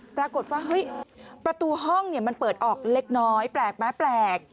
ปรากฏว่าเฮ้ยประตูห้องมันเปิดออกเล็กน้อยแปลกไหมแปลก